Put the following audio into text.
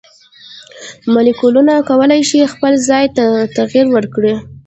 مالیکولونه کولی شي خپل ځای ته تغیر ورکړي.